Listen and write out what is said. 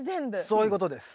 そういうことです。